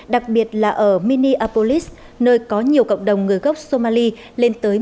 đặc biệt là ở minneapolis nơi có nhiều cộng đồng người gốc somali lên tới một mươi